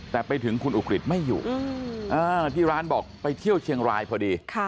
แต่ไปถึงคุณอุกฤษไม่อยู่ที่ร้านบอกไปเที่ยวเชียงรายพอดี